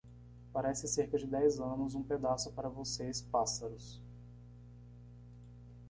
Parece cerca de dez anos um pedaço para vocês pássaros.